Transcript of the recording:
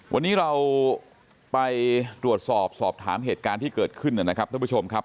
วันนี้เราไปตรวจสอบสอบถามเหตุการณ์ที่เกิดขึ้นนะครับท่านผู้ชมครับ